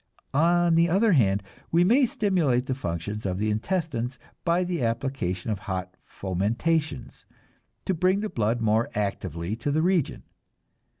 On the other hand, we may stimulate the functions of the intestines by the application of hot fomentations, to bring the blood more actively to that region.